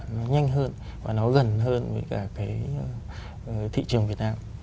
nó nhanh hơn và nó gần hơn với cả cái thị trường việt nam